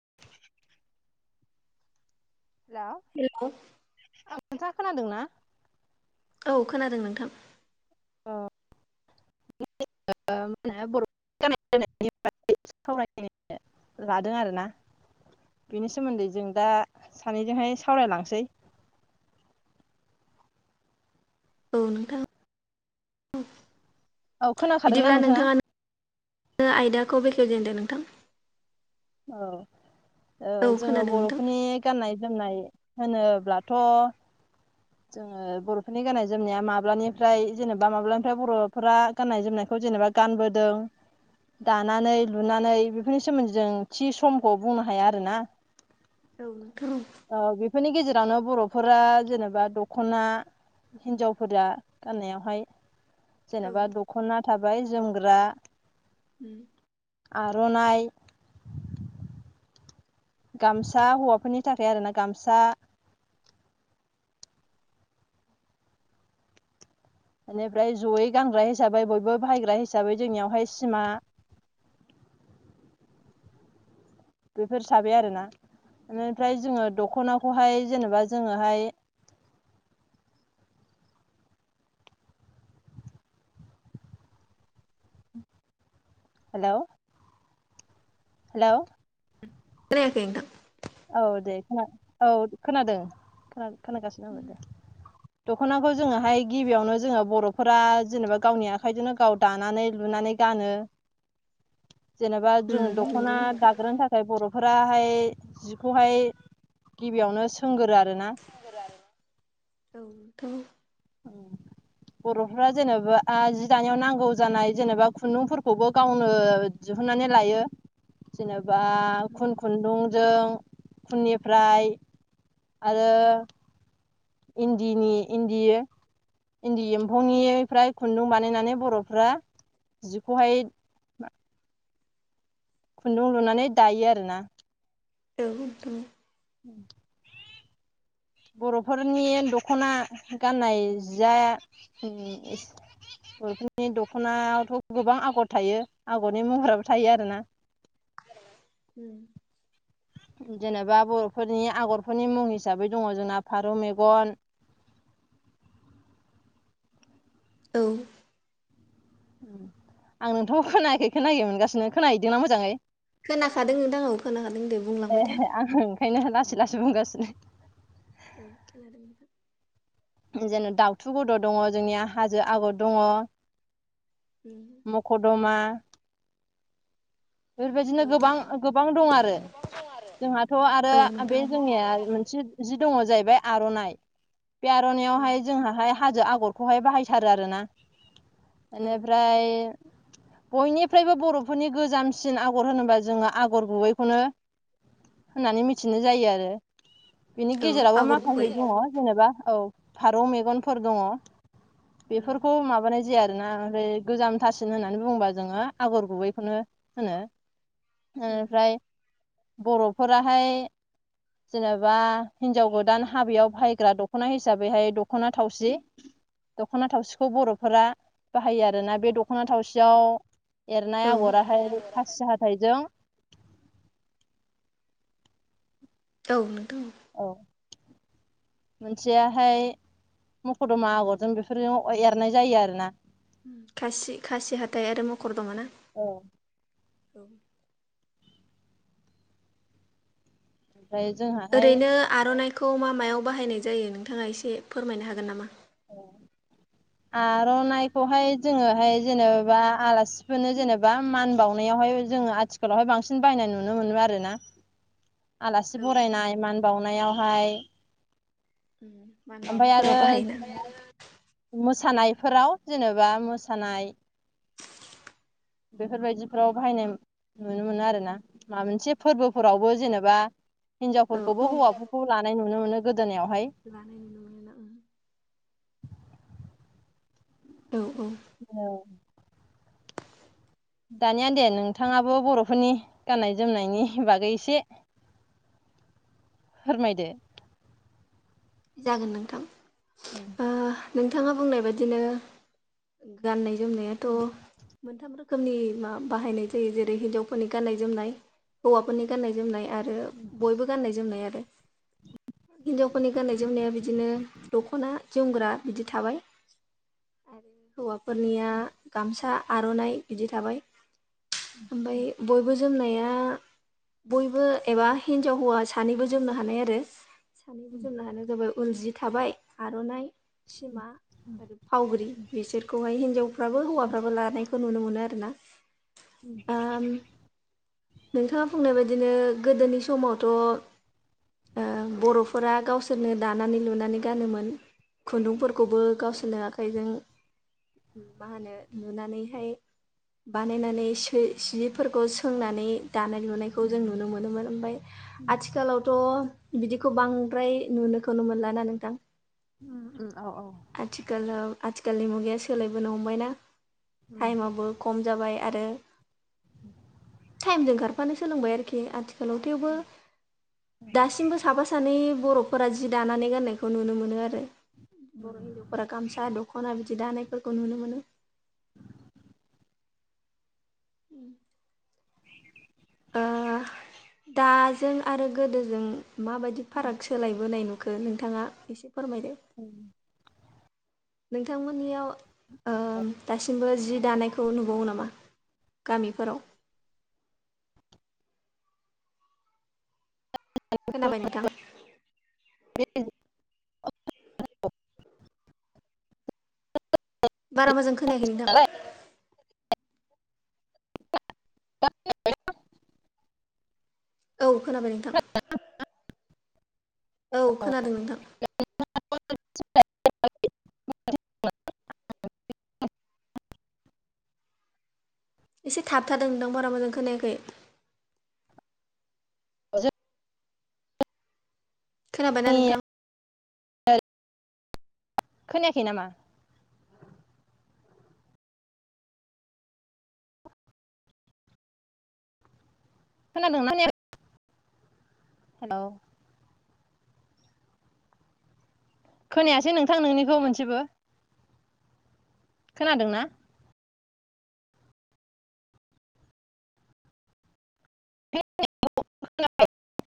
[unintelligible] Hello hello औ नोंथा खोनादों ना औ खोनादों नोंथां [unintelligible] होनो बर'फोरनि गाननाय जोमनायनि बागै एसे सावरायलायनो लादों आरोना बेनि सोमोन्दै जों दा सानैजोंहाय सावरायलांसै औ नोंथां औ खोनाखादोंना बिदिब्ला नोंथाङा ओ आयदाखौ बेखेवजेनदो नोंथां औ ओ औ जोङो खोनादों नोंथां बर'फोरनि गाननाय जोमनाय होनोब्लाथ' जोङो बर'फोरनि गाननाय जोमनाया माब्लानिफ्राय जेनेबा माब्लानिफ्राय बर'फोरा गाननाय जोमनायखौ जेनेबा गानबोदों दानानै लुनानै बेफोरनि सोमोन्दै जों थि समखौ बुंनो हाया आरोना औ औ बेफोरनि गेजेरावनो बर'फोरा जेनेबा दख'ना हिन्जावफोरा गाननायावहाय औ जेनेबा दख'ना थाबाय जोमग्रा उम आर'नाइ गामसा हौवाफोरनि थाखाय आरोना गामसा बेनिफ्राय जयै गानग्रा हिसाबै बयबो बाहायग्रा हिसाबै जोंनियावहाय सिमा [unintelligible] बेफोर थाबाय आरोना बेनिफ्राय जोङो दख'नाखौहाय जेनेबा जोङोहाय हेलौ हेलौ खोनायाखै नोंथां औ दे खोना औ खोनादों खोना खोनागासिनो औ दे दख'नाखौ जोङोहाय गिबियावनो जोङो बर'फोरा जेनेबा गावनि आखाइजोंनो गाव दानानै लुनानै गानो जेनेबा जों उम दख'ना नंगौ नोंथां दाग्रोनो थाखाय बर'फोराहाय जिखौहाय गिबियावनो सोंगोरो आरोना थ' औ बर'फ्रा जेनेबा जि दानायाव नांगौ जानाय जेनेबा खुन्दुंफोरखौबो गावनो दिहुननानै लायो जेनेबा खुन खुन्दुंजों उननिफ्राय आरो इन्दिनि इन्दियो इन्दि एम्फौनिफ्राय खुन्दुं बानायनानै बर'फ्रा जिखौहाय खुन्दुं लुनानै दायो आरोना औ औ [inaudible] बर'फोरनि दख'ना गाननाय जिआ बर'फोरनि दख'नायावथ' गोबां आगर थायो आगरनि महराबो थायो आरोना [inaudible] उ जेनेबा बर'फोरनि आगरफोरनि मुं हिसाबै दङ जोंना फारौ मेगन औ आं नोंथांखौ खोनायाखै खोनायै मोनगासिनो खोनाहैदोंना मोजाङै खोनाखादों नोंथां औ खोनाखादों दे बुंलांबाय था बेखायनो लासै लासै बुंगासिनो औ खोनादों नोंथां जेन' दाउथु गद' दङ जोंनिया हाजो आगर दङ मख' दमा औ बेफोरबायदिनो गोबां गोबां दं आरो जोंहाथ' आरो औ नोंथां बे औ जोंनिया मोनसे जि मोनसे दङ जाहैबाय आर'नाय बे आर'नाय आवगाय जों हाजो आग गरखौहाय बाहायथारो आरोना बेनिफ्राय बयनिफ्रायबो बर'फोरनि गोजाम सिन आगर होनोबा जोङो आगर गुबैखौनो होननानै मिथिनाय जायो आरो बिनि औ गेजेरावबो आगर गुबै माखासे औ दङ जेनेबा औ फारौ मेगनफोर दङ बेफोरखौ माबानाय जाया आरोना ओमफ्राय गोजामथासिन होननानै बुङोबा जोङो आगर गुबैखौनो होनो निफ्राय बर'फोराहाय जेनेबा हिनजाव गोदान हाबायाव बाहायग्रा दख'ना हिसाबैहाय दख'ना थावसि दख'ना थावसिखौ बर'फोरा बाहायो आरोना बे दख'ना थावसियाव एरनाय आगराहाय खासि हाथायजों औ नों अ मोनसेयाहाय मखदमा आगरजों बेफोरजों एरनाय जायो आरोना खासि खासि हाथाइ आरो मखर दमा ना औ औ ओमफ्राय जोंहाहाय ओरैनो आर'नाइखौ मा मायाव बाहायनाय जायो नोंथाङा एसे फोरमायनो हागोन नामा? औ आर'नाइखौहाय जोङोहाय जेनेबा आलासिफोरनो जेनेबा मान बावनायावहाय जोङो आथिखालावहाय बांसिन बायनाय नुनो मोनो आरोना औ आलासि उम बरायनाय मान बावनायावहाय मान ओमफ्राय आरो बावनायफोराव बाहायोना जेनेबा मोसानाय फोराव जेनेबा मोसानाय बेफोरबायदिफ्राव बाहायनाय नुनो मोनो आरो ना माबा मोनसे फोरबोफोरावबो जेनेबा औ औ हिनजावफोरखौबो हौवाफोरखौ लानाय नुनो मोनो। गोदोनायावहाय लानाय नुनो मोनोना औ ओं औ औ औ दानिया दे नोंथाङाबो बर'फोरनि गाननाय जोमनायनि बागै एसे फोरमायदो जागोन नोंथां औ ओ नोंथाङा बुंनाय बायदिनो गानना- जोमनायाथ' मोनथाम रोखोम खोमनि मा बाहायनाय जायो जेरै हिनजावफोरनि गाननाय- जोमनाय, हौवाफोरनि गाननाय-जोमनाय आरो बयबो गाननाय जोमनाय आरो हिनजावफोरनि गाननाय-जोमनाया बिदिनो दख'ना जोमग्रा बिदि थाबाय आरो हौवा फोरनिया गामसा आर'नाइ बिदि थाबाय ओमफाय बयबो जोमनाया बयबो एबा हिनजाव हौवा सानैबो जोमनो हानाय आरो [unintelligible] जाबाय उल जि थाबाय आर'नाइ सिमा आरो फावग्रि बिसोरखौहाय हिनजावफ्राबो हौवाफ्राबो लानाय खौ नुनो मोनो आरोना उम ओम नोंथाङा फुंनाय बायदिनो गोदोनि समावथ' ओ बर'फोरा गावसोरनो दानानै लुनानै गानोमोन खुनदुंफोरखौबो गावसोरनो आखाइजों मा होनो नुनानैहाय बानायनानै सै जिफोरखौ सोंनानै दानाय लुनायखौ जों नुनो मोनोमोन ओमफाय आथिखालावथ' बिदिखौ बां प्राय नुनोखौनो मोनला ना नोंथां ओम ओम औ औ आथिखालाव आथिखालनि मुगाया सोलायबोनो हमबायना टाइमाबो कम जाबाय आरो थाइमजों खारफानो सोलोंबाय आरोखि आथि लोंथायावबो दासिमबो साफा सानै बर'फोरा जि दानानै गाननायखौ नुनो मोनो आरो बर'हिनजावफोरा गामसा दख'ना बिदि दानाय फोरखौ नुनो मोनो ओ दाजों आरो गोदोजों माबादि फाराग सोलायबोनाय नु खो नोंथाङा इसे फोरमायदो? नोंथांमोननियाव ओ दासिमबो जि दानायखौ नुबावो नामा? गामिफोराव [inaudible] खोनाबाय नोंथां? बे [unintelligible] बारा मोजां खोनाखै नोंथां [unintelligible] औ खोनाबाय नोंथां औ खोनादों नोंथां [unintelligible] इसे थाबथादों नोंथां बारा मोजां खोनायाखै आओ खोनाबायना जोंनि नोंथां? [unintelligible] खोनायाखै नामा? खोनादोंना खोनाया हेल' खोनायासै नोंथां नोंनिखौ मोनसेबो खोनादोंना? [unintelligible]